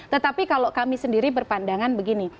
tetapi kalau kami sendiri berpandangan begini